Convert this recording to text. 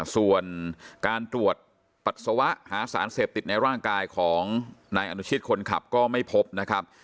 ส่วนการตรวจปัสสาวะหาสารเสพติดในร่างกายของนายอนุชิตคนขับก็ไม่พบนะครับ